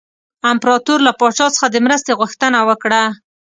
امپراطور له پاچا څخه د مرستې غوښتنه وکړه.